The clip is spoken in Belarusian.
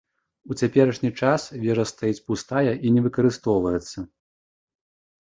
У цяперашні час вежа стаіць пустая і не выкарыстоўваецца.